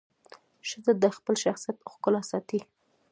ښځه د خپل شخصیت ښکلا ساتي.